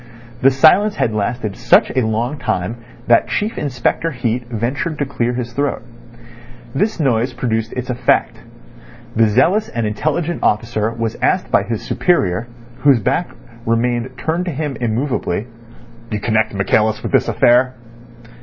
The silence had lasted such a long time that Chief Inspector Heat ventured to clear his throat. This noise produced its effect. The zealous and intelligent officer was asked by his superior, whose back remained turned to him immovably: "You connect Michaelis with this affair?"